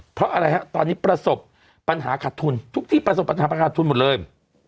เพราะอะไรฮะตอนนี้ประสบปัญหาขาดทุนทุกที่ประสบปัญหาประขาดทุนหมดเลย